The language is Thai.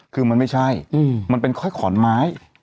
คือมันไม่ใช่มันเป็นค่อยขอนไม้